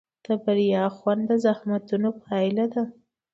د بریا خوند د زحمتونو پایله ده.